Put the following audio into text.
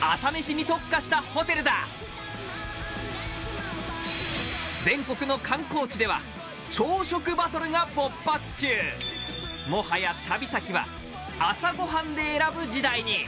朝メシに特化したホテルだ全国の観光地では朝食バトルが勃発中もはや旅先は朝ごはんで選ぶ時代に！